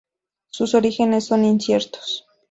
Sus orígenes son inciertos.